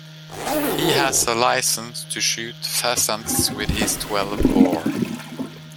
He has a licence to shoot pheasants with his twelve-bore